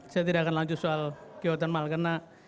saya tidak akan lanjut soal geothermal karena